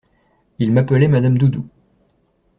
Ils m'appelaient Madame Doudou.